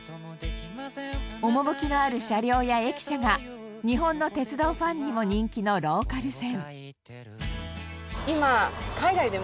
趣のある車両や駅舎が日本の鉄道ファンにも人気のローカル線。